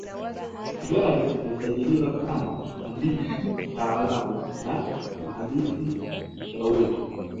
Mfugale alisajiliwa kama mhandisi mtaalamu na mhandisi mshauri